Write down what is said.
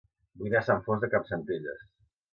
Vull anar a Sant Fost de Campsentelles